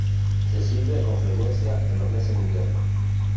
Se sirve con frecuencia en los meses de invierno.